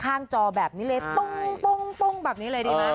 สร้างจอแบบนี้เลยปุ้งแบบนี้เลยดีมาก